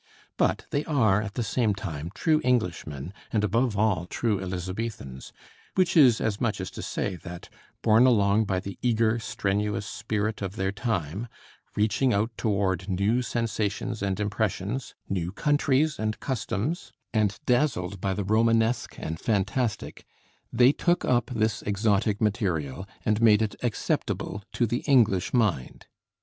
But they are at the same time true Englishmen, and above all true Elizabethans; which is as much as to say that, borne along by the eager, strenuous spirit of their time, reaching out toward new sensations and impressions, new countries and customs, and dazzled by the romanesque and fantastic, they took up this exotic material and made it acceptable to the English mind.